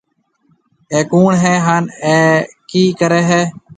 اَي ڪوُڻ هيَ هانَ اَي ڪِي ڪريَ هيَ۔